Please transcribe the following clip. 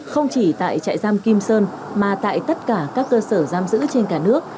không chỉ tại trại giam kim sơn mà tại tất cả các cơ sở giam giữ trên cả nước